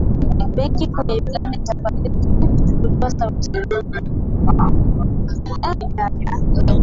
Benki kuu ya Uganda inatafakari kutoa sarafu ya kidigitali na